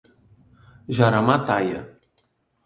Jaramataia